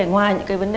ngoài những vấn đề